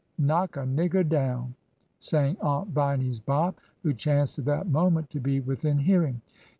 Knock a nigger down—" s sang Aunt Viny's Bob, who chanced at that moment to be within hearing.